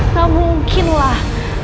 tak mungkin lah